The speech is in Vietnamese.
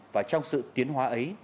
và trong sự tiến hóa ấy